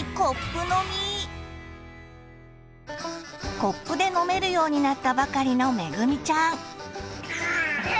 コップで飲めるようになったばかりのめぐみちゃん。